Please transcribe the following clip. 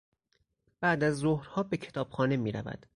بعد از ظهرها به کتابخانه میرود.